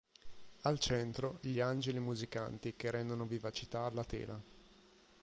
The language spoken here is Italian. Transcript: Al centro gli angeli musicanti che rendono vivacità alla tela.